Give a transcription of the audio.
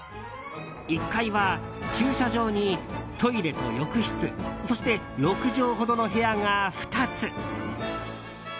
１階は駐車場にトイレと浴室そして６畳ほどの部屋が２つ。